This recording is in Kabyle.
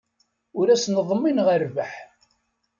Ur asen-ḍmineɣ rrbeḥ.